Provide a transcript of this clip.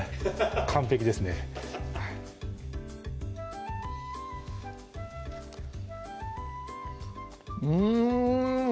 完璧ですねうん！